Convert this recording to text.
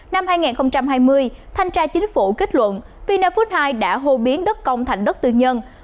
năm hai nghìn hai mươi thanh tra chính phủ kết luận vinafood hai đã hô biến đất công thành đất tư nhân